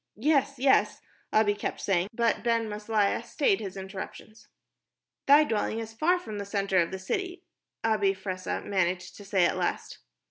"Yes, yes," Abi kept saying, but Ben Maslia stayed his interruptions. "Thy dwelling is far from the center of the city," Abi Fressah managed to say at last.